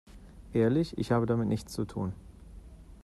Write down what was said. Ehrlich, ich habe damit nichts zu tun!